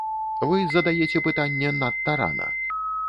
Вы задаеце пытанне надта рана.